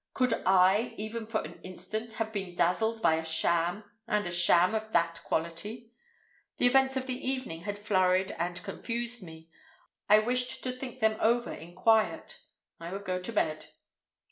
Could I, even for an instant, have been dazzled by a sham, and a sham of that quality? The events of the evening had flurried and confused me. I wished to think them over in quiet. I would go to bed.